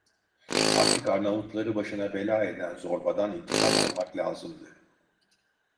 Artık Arnavutları başına bela eden zorbadan intikam almak lazımdı.